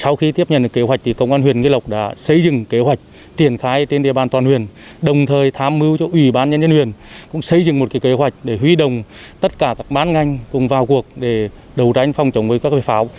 ủy ban nhân dân huyền cũng xây dựng một kế hoạch để huy đồng tất cả các bán ngành cùng vào cuộc để đấu tranh phòng chống với các vệ pháo